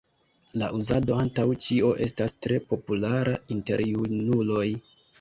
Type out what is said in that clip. La uzado antaŭ ĉio estas tre populara inter junuloj.